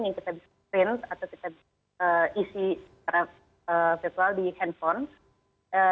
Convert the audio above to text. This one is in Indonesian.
yang kita bisa print atau kita isi secara virtual di handphone